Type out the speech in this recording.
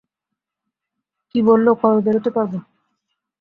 কী বলল, কবে বেরোতে পারবো?